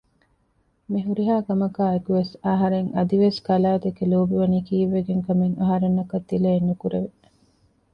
މި ހުރިހާ ކަމަކާއެކުވެސް އަހަރެން އަދިވެސް ކަލާދެކެ ލޯބި ވަނީ ކީއްވެގެން ކަމެއް އަހަރެންނަކަށް ތިލައެއް ނުކުރެވެ